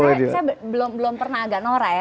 saya belum pernah agak nora ya